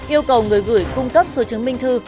yêu cầu người gửi cung cấp số chứng minh thư